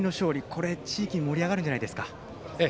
これは地域が盛り上がるんじゃないでしょうか。